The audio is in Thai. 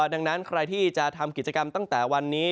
ดังนั้นใครที่จะทำกิจกรรมตั้งแต่วันนี้